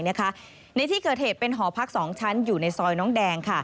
ในที่เกิดเหตุเป็นหอพัก๒ชั้นอยู่ในซอยน้องแดง